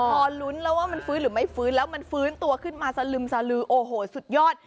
พอลุ้นแล้วว่ามันฟื้นหรือไม่ฟื้นแล้วมันฟื้นตัวขึ้นมาสลึมสลือโอ้โหสุดยอด